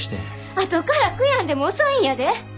あとから悔やんでも遅いんやで。